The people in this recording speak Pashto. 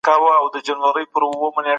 تاسي په خپلو خبرو کي د "چي" او "کي" پام کوئ